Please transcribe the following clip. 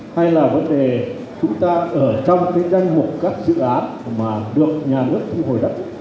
hay là vấn đề chúng ta ở trong cái danh mục các dự án mà được nhà nước thu hồi đất